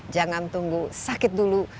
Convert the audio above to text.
jangan tunggu sakit dulu